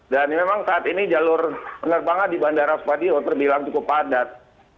dan memang saat ini jalur penerbangan di bandara spadio terbilang cukup padat